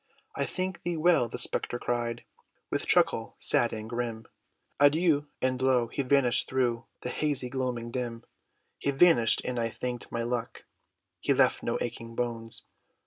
"I thank thee well!" the spectre cried, With chuckle, sad, and grim, "Adieu!" And lo! he vanished thro' The hazy gloaming dim: He vanished, and I thanked my luck, He left no aching bones!